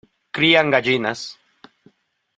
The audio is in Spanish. Crían gallinas.